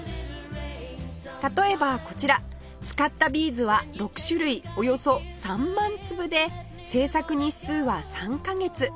例えばこちら使ったビーズは６種類およそ３万粒で制作日数は３カ月